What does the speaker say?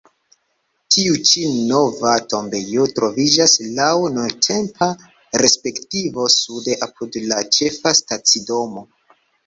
Tiu ĉi nova tombejo troviĝis laŭ nuntempa perspektivo sude apud la ĉefa stacidomo.